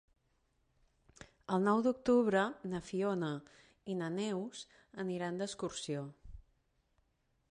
El nou d'octubre na Fiona i na Neus aniran d'excursió.